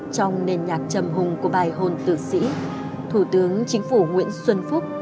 trong nền nhạc trầm hùng của bài hồn tử sĩ thủ tướng chính phủ nguyễn xuân phúc